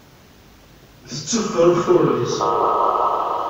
Tetteffer uffuren-is.